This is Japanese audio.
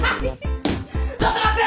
ちょっと待って！